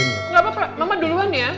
gapapa mama duluan ya